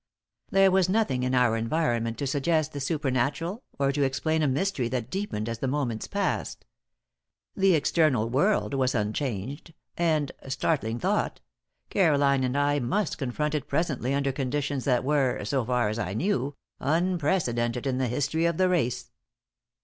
There was nothing in our environment to suggest the supernatural or to explain a mystery that deepened as the moments passed. The external world was unchanged, and startling thought! Caroline and I must confront it presently under conditions that were, so far as I knew, unprecedented in the history of the race.